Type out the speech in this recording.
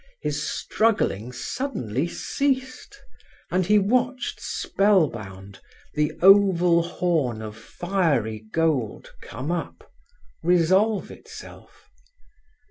His struggling suddenly ceased, and he watched, spellbound, the oval horn of fiery gold come up, resolve itself.